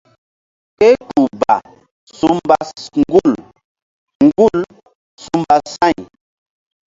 Kpehkpuh ba su mba ŋgul ŋgul su mba sa̧y.